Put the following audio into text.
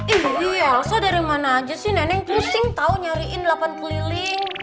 ih elsa dari mana aja sih neneng pusing tau nyariin delapan keliling